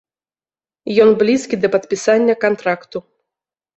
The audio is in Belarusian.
Ён блізкі да падпісання кантракту.